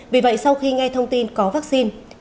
vì vậy sau khi nghe thông tin có vaccine